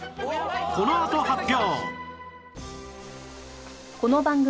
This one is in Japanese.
このあと発表！